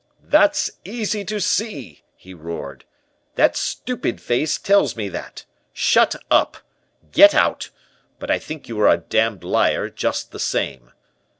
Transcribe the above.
"'That's easy to see,' he roared; 'that stupid face tells me that. Shut up. Get out; but I think you are a damned liar just the same.